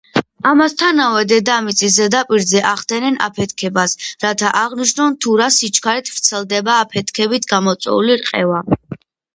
ამასთანავე დედამიწის ზედაპირზე ახდენენ აფეთქებას, რათა აღნიშნონ თუ რა სიჩქარით ვრცელდება აფეთქებით გამოწვეული რყევა.